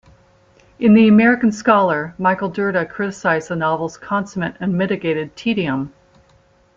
In "The American Scholar", Michael Dirda criticized the novel's "consummate, unmitigated tedium.